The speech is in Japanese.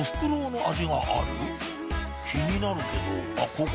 気になるけどあっここ？